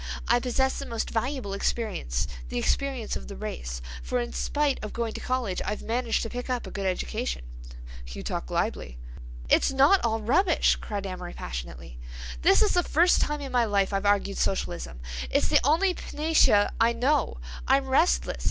I possess the most valuable experience, the experience of the race, for in spite of going to college I've managed to pick up a good education." "You talk glibly." "It's not all rubbish," cried Amory passionately. "This is the first time in my life I've argued Socialism. It's the only panacea I know. I'm restless.